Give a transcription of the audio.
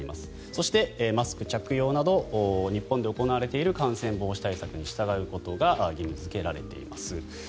そして、マスク着用など日本で行われている感染防止対策に従うことが義務付けられています。